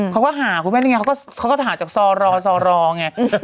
เขาก็หาคุณแม่มดดเองก็ต้องหาจากศอรอศอรอไง